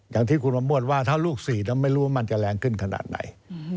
อย่างที่คุณมะม่วนว่าถ้าลูก๔นั้นไม่รู้ว่ามันจะแรงขึ้นขนาดไหน